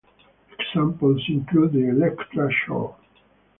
Examples include the Elektra chord.